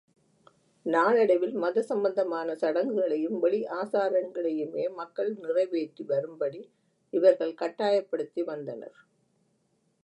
நாளடைவில் மத சம்பந்தமான சடங்குகளையும், வெளி ஆசாரங்களையுமே மக்கள் நிறைவேற்றி வரும்படி இவர்கள் கட்டாயப்படுத்தி வந்தனர்.